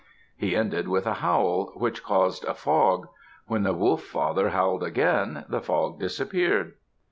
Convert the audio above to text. He ended with a howl which caused a fog. When the Wolf Father howled again, the fog disappeared.